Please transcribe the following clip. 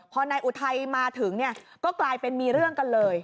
พอนายอุทัยมาถึงเนี่ยก็กลายเป็นมีเรื่องกันเลย